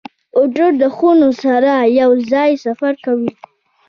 موټر د خونو سره یو ځای سفر کوي.